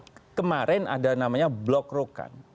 karena kemarin ada namanya blok rokan